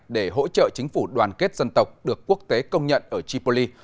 để hỗ trợ chính phủ đoàn kết dân tộc được quốc tế công nhận ở tripoli